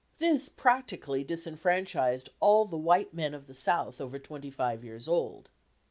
This practically disfranchised all the white men of the South over twenty five years old.